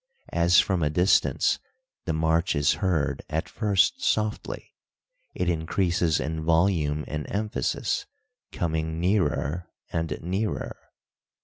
As from a distance, the march is heard, at first softly; it increases in volume and emphasis, coming nearer and nearer.